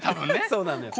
そうなのよ。